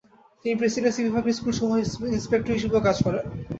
তিনি প্রেসিডেন্সী বিভাগের স্কুলসমূহের ইনস্পেক্টর হিসেবেও কাজ করেন।